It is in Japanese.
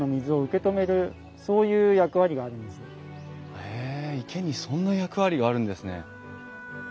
へえ池にそんな役割があるんですね。